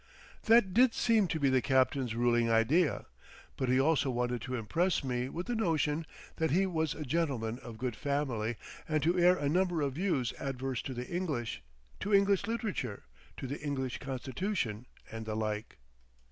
That did seem to be the captain's ruling idea. But he also wanted to impress me with the notion that he was a gentleman of good family and to air a number of views adverse to the English, to English literature, to the English constitution, and the like.